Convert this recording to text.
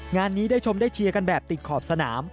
งานนี้ได้ชมได้เชียร์กันแบบติดขอบสนาม